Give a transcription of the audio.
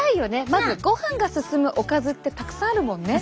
まずごはんが進むおかずってたくさんあるもんね。